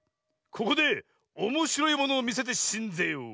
ここでおもしろいものをみせてしんぜよう。